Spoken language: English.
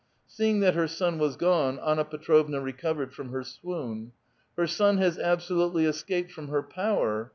Seeing that her son was gone, Anna Petrovna recovered from her swoon. Her son has absohitely escaped from her power